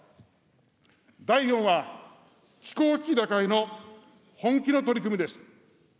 第４は、気候危機打開の本気の取り組みです。